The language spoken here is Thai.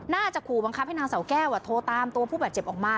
น่าจะขู่บังคับให้นางเสาแก้วโทรตามตัวผู้บาดเจ็บออกมา